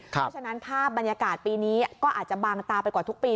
เพราะฉะนั้นภาพบรรยากาศปีนี้ก็อาจจะบางตาไปกว่าทุกปี